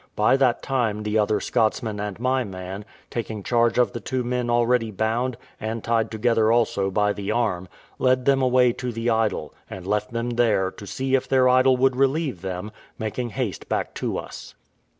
By that time the other Scotsman and my man, taking charge of the two men already bound, and tied together also by the arm, led them away to the idol, and left them there, to see if their idol would relieve them, making haste back to us.